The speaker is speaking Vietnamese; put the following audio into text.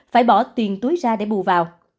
phải bỏ tiền túi ra để bù vào